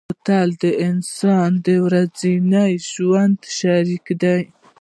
بوتل د انسان د ورځني ژوند شریک دی.